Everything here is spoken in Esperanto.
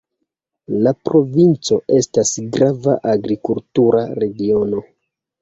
La provinco estas grava agrikultura regiono.